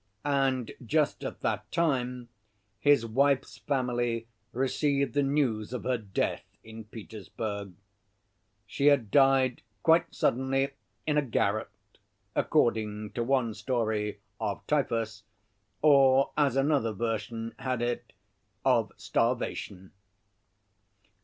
And just at that time his wife's family received the news of her death in Petersburg. She had died quite suddenly in a garret, according to one story, of typhus, or as another version had it, of starvation.